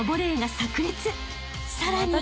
［さらに］